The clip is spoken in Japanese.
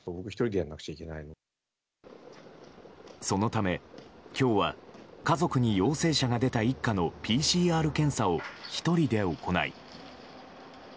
そのため、今日は家族に陽性者が出た一家のＰＣＲ検査を１人で行い。